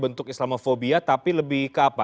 bentuk islamofobia tapi lebih ke apa